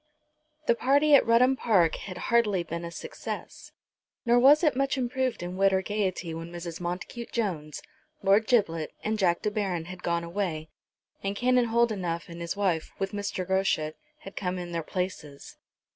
The party at Rudham Park had hardly been a success, nor was it much improved in wit or gaiety when Mrs. Montacute Jones, Lord Giblet, and Jack de Baron had gone away, and Canon Holdenough and his wife, with Mr. Groschut, had come in their places.